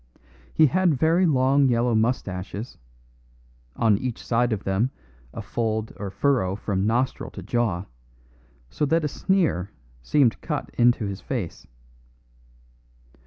He had very long yellow moustaches; on each side of them a fold or furrow from nostril to jaw, so that a sneer seemed cut into his face.